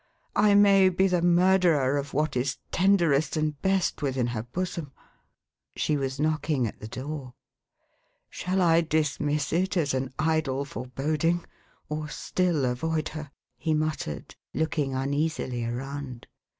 I may be the murderer of what is tenderest and best within her bosom." She was knocking at the door. " Shall I dismiss it as an idle foreboding, or still avoid her?" he muttered, looking uneasily around.